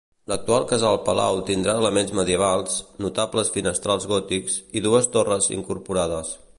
L'actual casal-palau tindrà elements medievals, notables finestrals gòtics i dues torres incorporades.